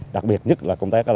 đặc biệt nhất là công tác